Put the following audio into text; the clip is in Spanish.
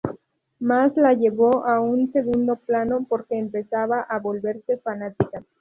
Mas, la llevó a un segundo plano porque empezaba a "volverse fanática".